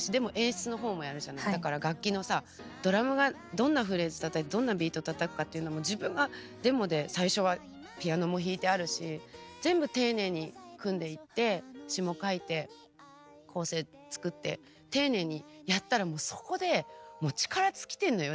だから楽器のさドラムがどんなフレーズたたいてどんなビートたたくかっていうのも自分がデモで最初はピアノも弾いてあるし全部丁寧に組んでいって詞も書いて構成作って丁寧にやったらもうそこで力尽きてるのよ。